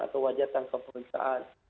atau wajar tanpa perusahaan